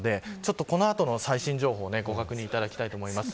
この後の最新情報をご確認いただきたいと思います。